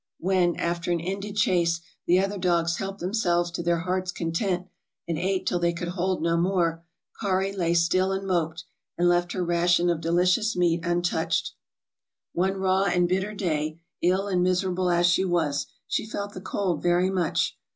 When, after an ended chase, the other dogs helped themselves to their hearts' content, and ate till they could hold no more, 'Kari' lay stifl and moped, and left her ration of delicious meat un touched. One raw and bitter day, ill and miserable as she was, she felt the cold very much.